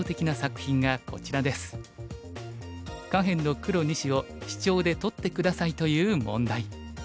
「下辺の黒２子をシチョウで取って下さい」という問題。